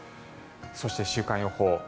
そして、週間予報。